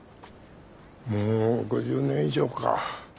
もう５０年以上か。